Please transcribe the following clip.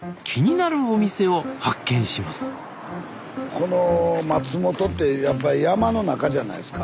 この松本ってやっぱり山の中じゃないですか。